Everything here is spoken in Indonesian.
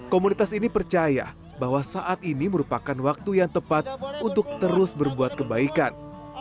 komunitas ini percaya bahwa saat ini merupakan waktu yang tepat untuk terus berbuat kebaikan